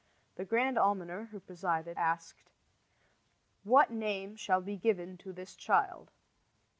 The grand almoner, who presided, asked; "What name shall be given to this child?"